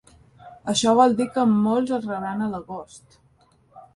Això vol dir que molts els rebran a l’agost.